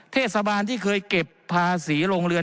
เทศบาลที่เคยเก็บภาษีโรงเรือน